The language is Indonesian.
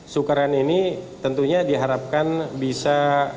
sukeran ini tentunya diharapkan bisa